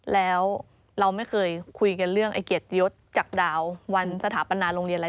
แล้วเราไม่เคยคุยกันเรื่องไอ้เกียรติยศจากดาววันสถาปนาโรงเรียนอะไร